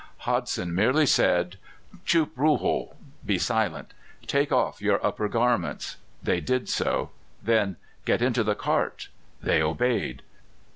Hodson merely said, "Choop ruho" (be silent); "take off your upper garments." They did so. Then, "Get into the cart." They obeyed.